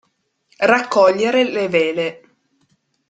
Raccogliere le vele.